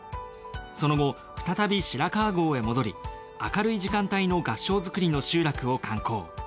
その後再び白川郷へ戻り明るい時間帯の合掌造りの集落を観光。